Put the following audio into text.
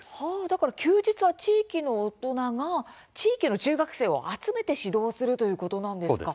だから休日は地域の大人が地域の中学生を集めて指導するということなんですか。